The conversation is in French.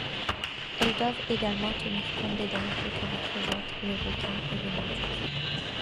Elles doivent également tenir compte des dangers que représentent les requins et les méduses.